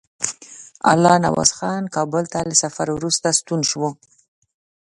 الله نواز خان کابل ته له سفر وروسته ستون شو.